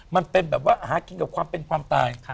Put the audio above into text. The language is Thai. มันเป็นแบบว่าหากินกับความเป็นความตาย